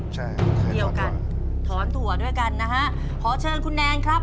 ใช่ท้อนถั่วท้อนถั่วด้วยกันนะฮะขอเชิญคุณแนนครับ